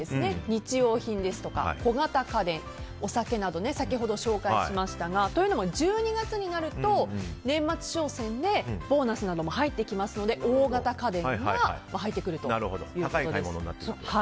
日用品ですとか小型家電お酒など、先ほど紹介しましたが。というのも１２月になると年末商戦でボーナスなども入ってきますので大型家電が入ってくるということです。